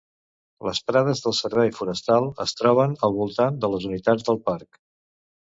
Les prades del Servei Forestal es troben al voltant de les unitats del parc.